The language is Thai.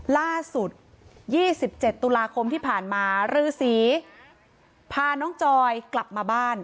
ล่าสุด๒๗ตุลาคมที่ผ่านมารือศรีพาน้องจอยกลับมาบ้าน